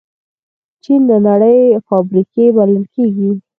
چین د نړۍ فابریکې بلل کېږي.